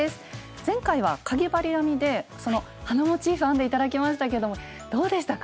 前回はかぎ針編みでその花モチーフ編んで頂きましたけどもどうでしたか？